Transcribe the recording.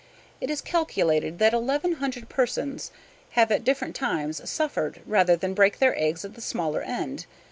It is calculated that eleven hundred persons have at different times suffered rather than break their eggs at the smaller end.